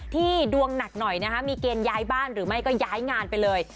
ดวงหนักหน่อยนะคะมีเกณฑ์ย้ายบ้านหรือไม่ก็ย้ายงานไปเลย